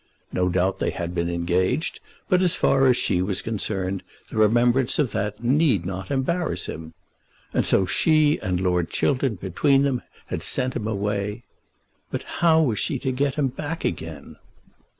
No doubt they had been engaged; but, as far as she was concerned, the remembrance of that need not embarrass him. And so she and Lord Chiltern between them had sent him away. But how was she to get him back again?